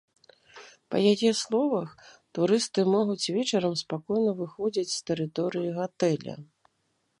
Па яе словах, турысты могуць вечарам спакойна выходзіць з тэрыторыі гатэля.